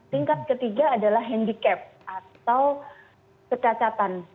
tingkat ketiga adalah handicap atau kecacatan